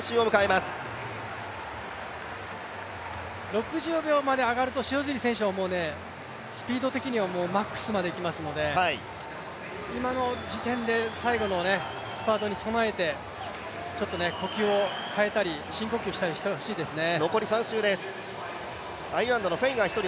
６０秒まで上がると塩尻選手はスピード的にはもうマックスまでいきますので今の時点で最後のスパートに備えてちょっと呼吸を変えたり、深呼吸したりしてほしいですね。